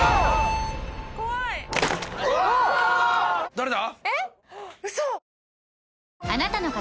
誰だ？